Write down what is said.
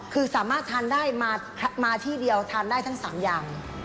คือสามารถทานได้มาที่เดียวทานได้ทั้ง๓อย่าง